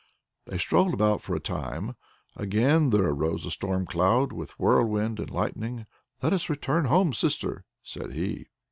They strolled about for a time. Again there arose a stormcloud, with whirlwind and lightning. "Let us return home, sister!" said he.